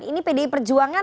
ini pdi perjuangan